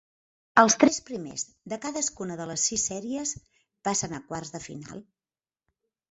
Els tres primers de cadascuna de les sis sèries passen a quarts de final.